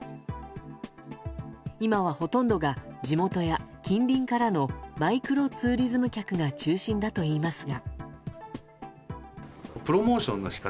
今はほとんどが地元や近隣からのマイクロツーリズム客が中心だといいますが。